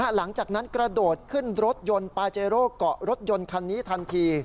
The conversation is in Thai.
หลังจากนั้นกระโดดขึ้นรถยนต์ปาเจโร่เกาะรถยนต์คันนี้ทันที